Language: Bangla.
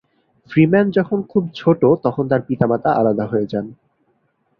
ফ্রিম্যান যখন খুব ছোট তখন তার পিতামাতা আলাদা হয়ে যান।